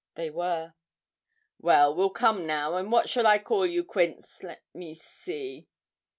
They were. 'Well, we'll come now; and what shall I call you, Quince? Let me see.'